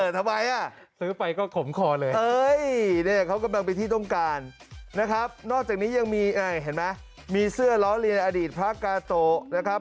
ทำไมซื้อไปก็ขมคอเลยเนี่ยเขากำลังเป็นที่ต้องการนะครับนอกจากนี้ยังมีเห็นไหมมีเสื้อล้อเลียนอดีตพระกาโตนะครับ